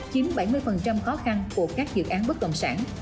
chiếm bảy mươi khó khăn của các dự án bất động sản